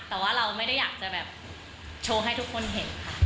แต่ว่าเราไม่ได้อยากจะแบบโชว์ให้ทุกคนเห็นค่ะ